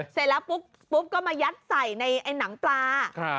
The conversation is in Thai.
เสร็จแล้วปุ๊บก็มายัดใส่ในไอ้หนังปลา